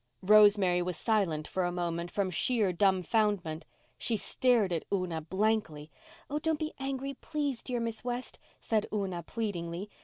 Rosemary was silent for a moment from sheer dumbfounderment. She stared at Una blankly. "Oh, don't be angry, please, dear Miss West," said Una, pleadingly.